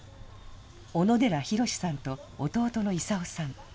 小野寺寛さんと弟の勲さん。